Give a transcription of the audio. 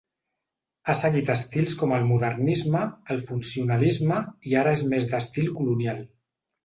Ha seguit estils com el modernisme, el funcionalisme, i ara és més d'estil colonial.